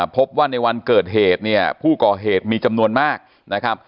พบว่าในวันเกิดเหตุเนี่ยผู้ก่อเหตุมีจำนวนมากนะครับ